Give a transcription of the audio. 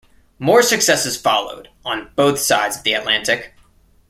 More successes followed, on both sides of the Atlantic.